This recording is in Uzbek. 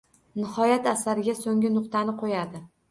Nihoyat, asariga soʻnggi nuqtani qoʻyadi